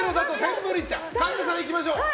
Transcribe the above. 神田さん、いきましょう。